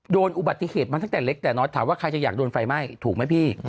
โดนอุบัติเหตุมาตั้งแต่เล็กแต่น้อยถามว่าใครจะอยากโดนไฟไหม้ถูกไหมพี่